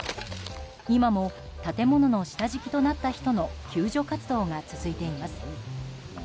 今も建物の下敷きとなった人の救助活動が続いています。